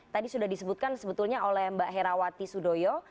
tadi sudah disebutkan sebetulnya oleh mbak herawati sudoyo